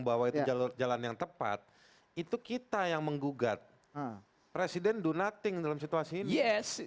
bahwa itu jalur jalan yang tepat itu kita yang menggugat presiden donating dalam situasi ini yes